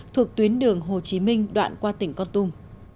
thuộc tuyến đường hồ chí minh đoạn qua tỉnh con tum